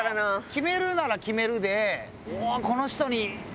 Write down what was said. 決めるなら決めるで。